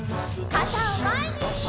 かたをまえに！